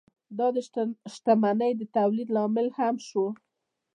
دا د شتمنۍ د تولید لامل هم شو.